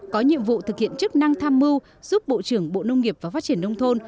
có nhiệm vụ thực hiện chức năng tham mưu giúp bộ trưởng bộ nông nghiệp và phát triển nông thôn